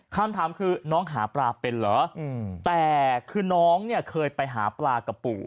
คำถามคือน้องหาปลาเป็นเหรอแต่คือน้องเนี่ยเคยไปหาปลากับปู่